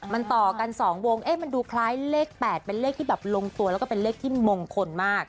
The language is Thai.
มันต่อกัน๒วงมันดูคล้ายเลข๘เป็นเลขที่แบบลงตัวแล้วก็เป็นเลขที่มงคลมาก